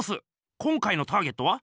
今回のターゲットは？